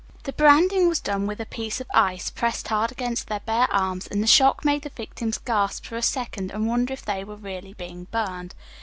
The branding was done with a piece of ice, pressed hard against their bare arms, and the shock made the victims gasp for a second and wonder if they really were being burned.